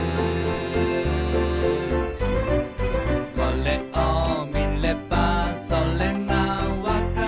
「これを見ればそれが分かる」